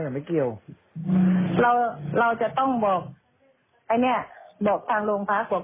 บอกทางโรงพระพระบอกว่า